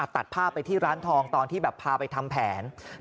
ตัดภาพไปที่ร้านทองตอนที่แบบพาไปทำแผน